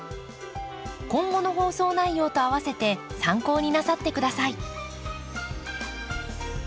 今後の放送内容とあわせて参考になさって下さい。